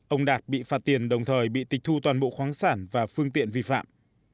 ông đạt bị phạt tiền đồng thời bị tịch thu toàn bộ khoáng sản và phương tiện vi phạm